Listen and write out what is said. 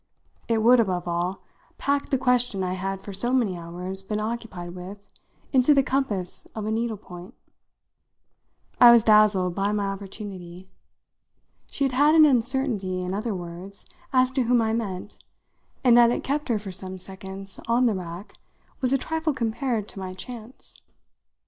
It would, above all, pack the question I had for so many hours been occupied with into the compass of a needle point. I was dazzled by my opportunity. She had had an uncertainty, in other words, as to whom I meant, and that it kept her for some seconds on the rack was a trifle compared to my chance.